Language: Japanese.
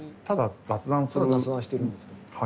ただ雑談してるんですよ。